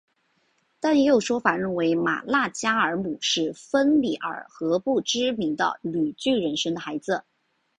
但也有说法认为玛纳加尔姆是芬里尔和不知名的女巨人生的孩子。